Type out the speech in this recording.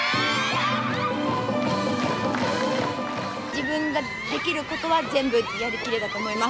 自分ができることは全部やりきれたと思います。